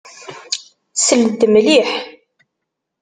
Sel-d mliḥ.